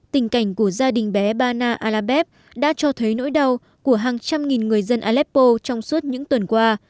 tình cảnh của gia đình bé ba na alabeb đã cho thấy nỗi đau của hàng trăm nghìn người dân aleppo trong suốt những tuần qua